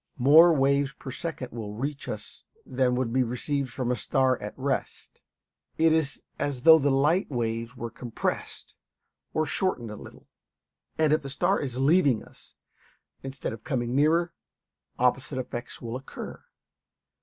More waves per second will reach us than would be received from a star at rest. It is as though the light waves were compressed or shortened a little. And if the star is leaving us, instead of coming nearer, opposite effects will occur.